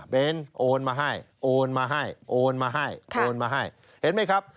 เป็นโอนมาให้โอนมาให้โอนมาให้โอนมาให้เห็นไหมครับ